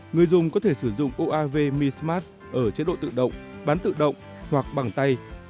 người dùng có thể sử dụng uav mismart ở chế độ tự động bán tự động hoặc bằng tay